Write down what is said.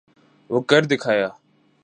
وہ کر دکھایا۔